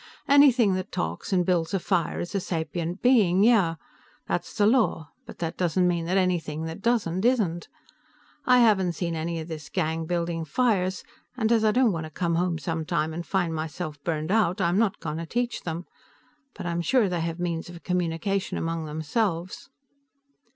"Anything that talks and builds a fire is a sapient being, yes. That's the law. But that doesn't mean that anything that doesn't isn't. I haven't seen any of this gang building fires, and as I don't want to come home sometime and find myself burned out, I'm not going to teach them. But I'm sure they have means of communication among themselves."